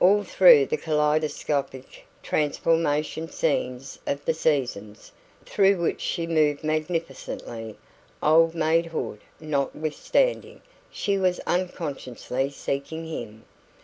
All through the kaleidoscopic transformation scenes of the "season", through which she moved magnificently, old maidhood notwithstanding, she was unconsciously seeking him.